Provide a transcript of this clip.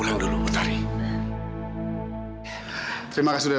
mas apa tidak cukup